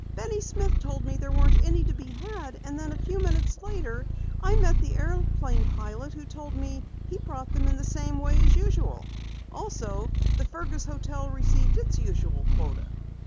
Benny Smith told me there weren't any to be had, and then a few minutes later I met the airplane pilot who told me he had brought them in the same as usual. Also, the Fergus hotel received its usual quota."